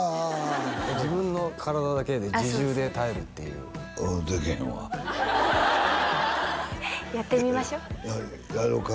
自分の体だけで自重で耐えるっていううんできへんわやってみましょやろうか？